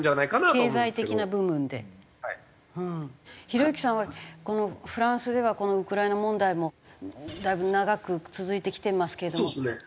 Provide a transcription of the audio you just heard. ひろゆきさんはこのフランスではウクライナ問題もだいぶ長く続いてきていますけれども。